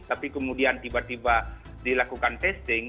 tapi kemudian tiba tiba dilakukan testing